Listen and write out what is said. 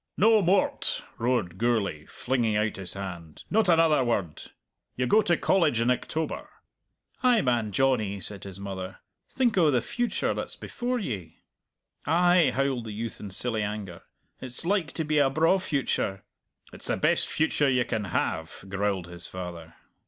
"No more o't!" roared Gourlay, flinging out his hand "not another word! You go to College in October!" "Ay, man, Johnny," said his mother, "think o' the future that's before ye!" "Ay," howled the youth in silly anger, "it's like to be a braw future!" "It's the best future you can have!" growled his father.